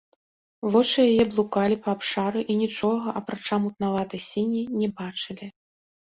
Вочы яе блукалі па абшары і нічога, апрача мутнаватай сіні, не бачылі.